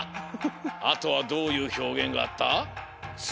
あとはどういうひょうげんがあった？